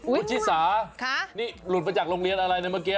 อุจิสานี่หลุดไปจากโรงเรียนอะไรเนี่ยเมื่อกี้